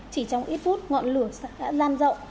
chỉ trong ít phút ngọn lửa đã gian rộng